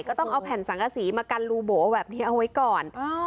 ก็ต้องเอาแผ่นสังกษีมากันรูโบแบบนี้เอาไว้ก่อน